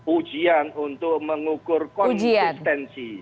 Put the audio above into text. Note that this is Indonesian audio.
ujian untuk mengukur konsistensi